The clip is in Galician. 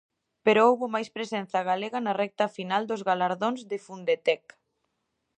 Pero houbo máis presenza galega na recta final dos galardóns de Fundetec.